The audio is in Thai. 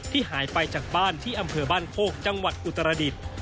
หายไปจากบ้านที่อำเภอบ้านโคกจังหวัดอุตรดิษฐ์